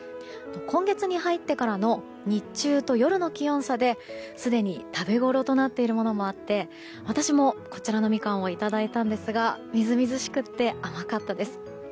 今月に入ってからの日中と夜の気温差ですでに食べごろとなっているものもあって私も、こちらのみかんをいただいたんですがみずみずしくて甘かったです。